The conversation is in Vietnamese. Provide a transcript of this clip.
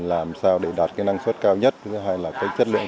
làm sao để đạt cái năng suất cao nhất thứ hai là cái chất lượng